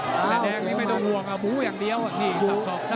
ดรแดงนี่ไม่ต้องห่วงนะหมูอย่างเดียวสับสอบสั้น